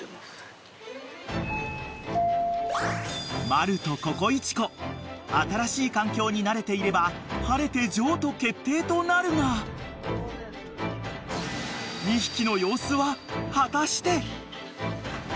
［マルとココイチ子新しい環境に慣れていれば晴れて譲渡決定となるが２匹の様子は］